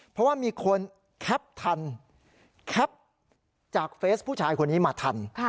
เพราะว่ามีคนแคปทันแคปจากเฟสผู้ชายคนนี้มาทัน